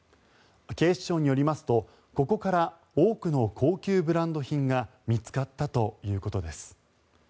警視庁によりますとここから多くの高級ブランド品が見つかったということです。